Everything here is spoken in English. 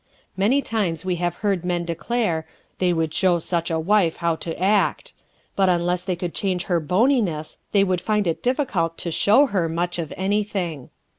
Many times we have heard men declare "they would show such a wife how to act," but unless they could change her boniness they would find it difficult to "show her" much of anything.